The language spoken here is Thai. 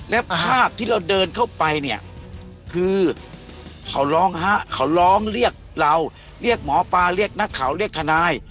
แล้วภาพที่เราเดินเข้าไปเนี่ยคือเขาร้องฮะเขาร้องเรียกเราเรียกหมอปลาเรียกนักข่าวเรียกทนาย